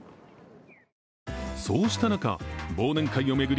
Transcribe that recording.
そうした中、忘年会を巡り